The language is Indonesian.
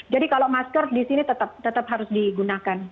jadi kalau masker di sini tetap harus digunakan